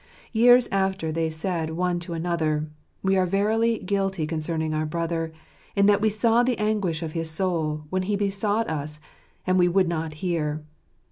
Years after they said one to another, "We are verily guilty concerning our brother, in that we saw the anguish of his soul, when he besought us and we would not hear."